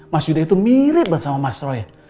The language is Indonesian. mas yuda itu mirip sama mas roy